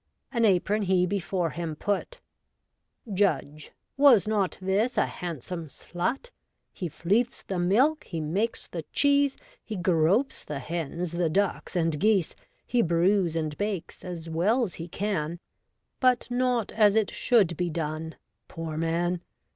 An apron he before him put : Judge :— Was not this a handsome slut ? He fleets the milk, he makes the cheese ; He gropes the hens, the ducks, and geese ; He brews and bakes as well 's he can ; But not as it should be done, poor man.